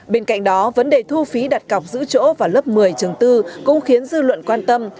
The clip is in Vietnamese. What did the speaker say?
bên cạnh đó vấn đề thu phí đặt cọc giữ chỗ vào lớp một mươi trường tư cũng khiến dư luận quan tâm